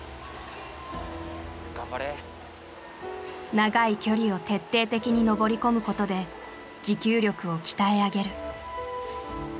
長い距離を徹底的に登り込むことで持久力を鍛え上げる。